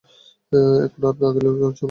এখন আর না গেলেও কিছু হবেনা।